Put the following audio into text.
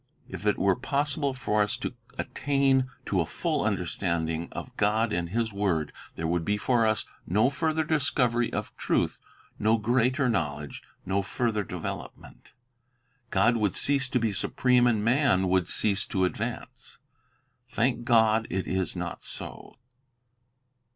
If it were possible for us to attain to a full understanding of God and His word, there would be for us no further discovery of truth, no greater knowledge, no further development. God would cease to be supreme, and man would cease to advance. Thank God, it is not so.